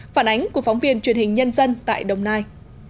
phản ánh của phóng viên truyền hình nhân dân tại đồng nai